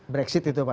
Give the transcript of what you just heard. brexit itu pak